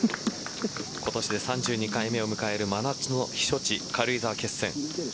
今年で３２回目を迎える真夏の避暑地・軽井沢決戦。